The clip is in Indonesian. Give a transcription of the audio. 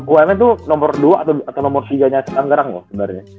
umn tuh nomor dua atau nomor tiganya sepangerang loh sebenarnya